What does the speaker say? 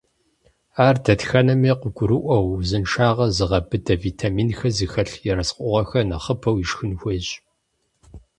Ар дэтхэнэми къыгурыӏуэу, узыншагъэр зыгъэбыдэ витаминхэр зыхэлъ ерыскъыгъуэхэр нэхъыбэу ишхын хуейщ.